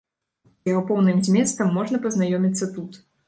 З яго поўным зместам можна пазнаёміцца тут.